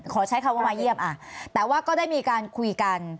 ขอใช้คำว่ามาเยี่ยมแต่ว่าก็ได้มีการคุยกัน